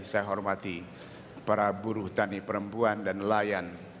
saya hormati para buruh tani perempuan dan nelayan